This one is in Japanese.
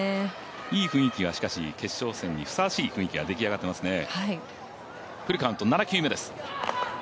いい雰囲気が決勝戦にふさわしい雰囲気が出来上がってますね。